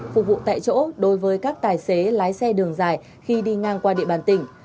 phục vụ tại chỗ đối với các tài xế lái xe đường dài khi đi ngang qua địa bàn tỉnh